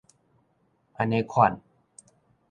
按呢款